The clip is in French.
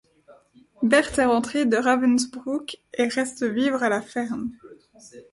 Berthe est rentrée de Ravensbruck et reste vivre à la ferme.